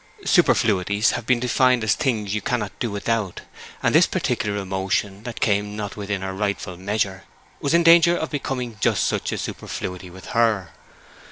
Superfluities have been defined as things you cannot do without, and this particular emotion, that came not within her rightful measure, was in danger of becoming just such a superfluity with her.